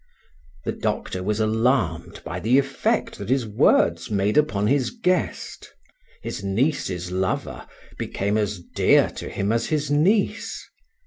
The doctor was alarmed by the effect that his words made upon his guest; his niece's lover became as dear to him as his niece.